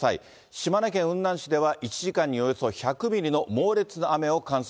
島根県雲南市では１時間におよそ１００ミリの猛烈な雨を観測。